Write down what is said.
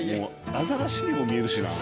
アザラシにも見えるしな。